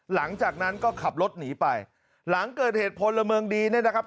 หลังจากนั้นก็ขับรถหนีไปหลังเกิดเหตุพลเมืองดีเนี่ยนะครับ